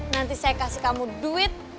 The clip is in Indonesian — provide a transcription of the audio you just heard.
nanti saya kasih kamu duit